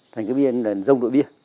thành cái bia là rồng đổi bia